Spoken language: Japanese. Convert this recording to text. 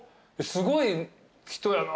すごいな。